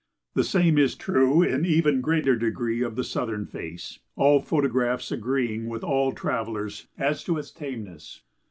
The same is true in even greater degree of the southern face, all photographs agreeing with all travellers as to its tameness.